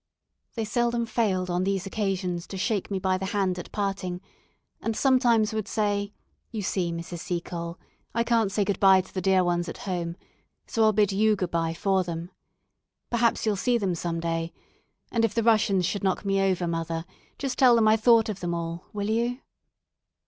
They seldom failed on these occasions to shake me by the hand at parting, and sometimes would say, "You see, Mrs. Seacole, I can't say good bye to the dear ones at home, so I'll bid you good bye for them. Perhaps you'll see them some day, and if the Russians should knock me over, mother, just tell them I thought of them all will you?"